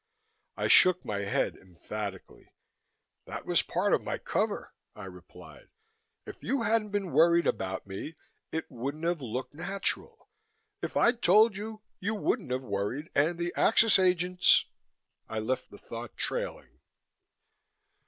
I shook my head emphatically. "That was part of my cover," I replied. "If you hadn't been worried about me it wouldn't have looked natural. If I'd told you, you wouldn't have worried and the Axis agents " I left the thought trailing.